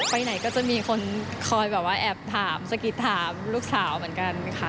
ไปไหนก็จะมีคนคอยแบบว่าแอบถามสะกิดถามลูกสาวเหมือนกันค่ะ